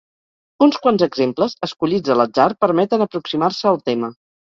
Uns quants exemples, escollits a l'atzar, permeten aproximar-se al tema.